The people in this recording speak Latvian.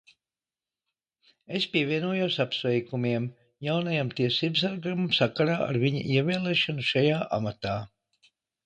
Es pievienojos apsveikumiem jaunajam tiesībsargam sakarā ar viņa ievēlēšanu šajā amatā!